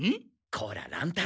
こら乱太郎